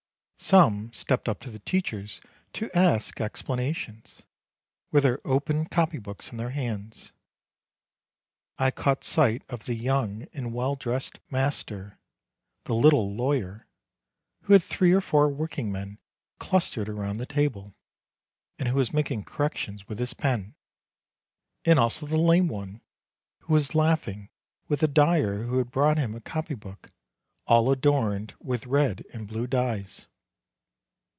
Some stepped up to the teachers to ask explanations, with their open copy books in their hands. I caught sight of the young and well dressed master, "the little lawyer," who had three or four workingmen clustered around the table, and who was making corrections with his pen ; and also the lame one, who was laughing with a dyer who had brought him a copy book all adorned with red and blue dyes.